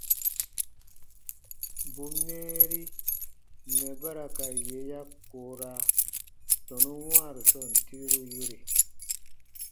Bù mɛɛri mɛ̀ ba ra ka yè ya koora tɔnun wãaru sɔɔn tireru yore.